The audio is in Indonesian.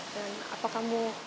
dan apa kamu